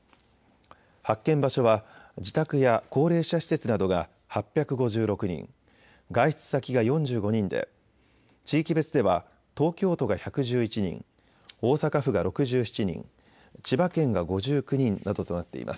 発見場所は自宅や高齢者施設などが８５６人、外出先が４５人で地域別では東京都が１１１人、大阪府が６７人、千葉県が５９人などとなっています。